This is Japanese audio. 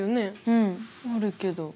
うんあるけど。